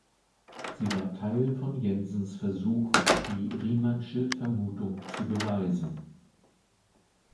Sie war Teil von Jensens Versuch, die Riemannsche Vermutung zu beweisen.